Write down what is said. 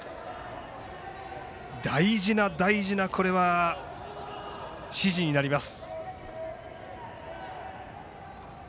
大事な大事なこれは指示になります。